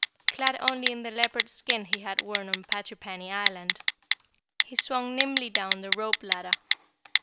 Clad only in the leopard skin he had worn on Patrippany Island, he swung nimbly down the rope ladder.